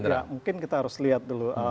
ya mungkin kita harus lihat dulu